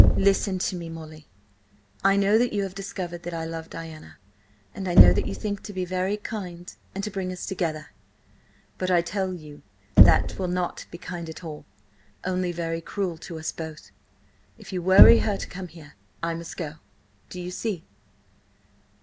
"Listen to me, Molly. I know that you have discovered that I love Diana, and I know that you think to be very kind and to bring us together. But I tell you that 'twill not be kind at all, only very cruel to us both. If you worry her to come here, I must go. Do you see?"